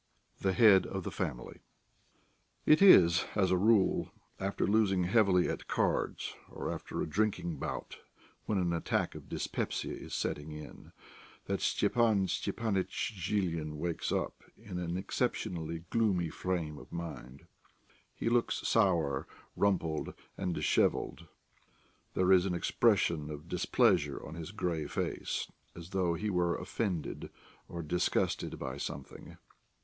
THE HEAD OF THE FAMILY IT is, as a rule, after losing heavily at cards or after a drinking bout when an attack of dyspepsia is setting in that Stepan Stepanitch Zhilin wakes up in an exceptionally gloomy frame of mind. He looks sour, rumpled, and dishevelled; there is an expression of displeasure on his grey face, as though he were offended or disgusted by something.